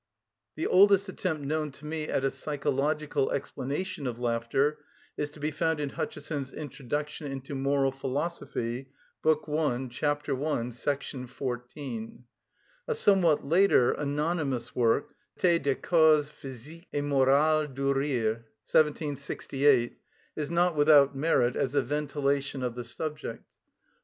The oldest attempt known to me at a psychological explanation of laughter is to be found in Hutcheson's "Introduction into Moral Philosophy," Bk. I., ch. i. § 14. A somewhat later anonymous work, "Traité des Causes Physiques et Morals du Rire," 1768, is not without merit as a ventilation of the subject.